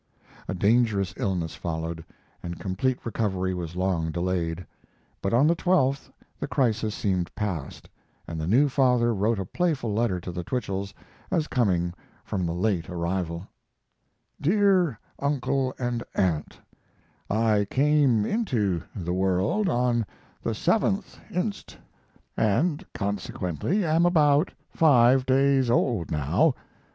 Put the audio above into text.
A dangerous illness followed, and complete recovery was long delayed. But on the 12th the crisis seemed passed, and the new father wrote a playful letter to the Twichells, as coming from the late arrival: DEAR UNCLE AND AUNT, I came into the world on the 7th inst., and consequently am about five days old now.